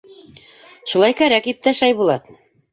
— Шулай кәрәк, иптәш Айбулат.